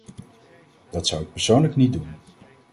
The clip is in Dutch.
Dat zou ik persoonlijk niet doen.